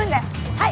はい。